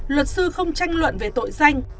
luật sư không tranh luận về tội danh